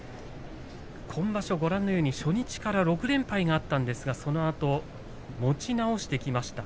今場所、ご覧のように初日から６連敗があったんですがそのあと持ち直してきました。